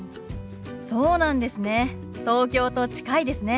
そうなんですね。